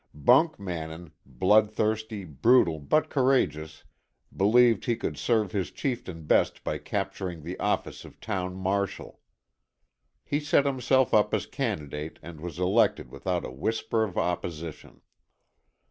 Bunk Mannin, bloodthirsty, brutal, but courageous, believed he could serve his chieftain best by capturing the office of town marshal. He set himself up as candidate and was elected without a whisper of opposition.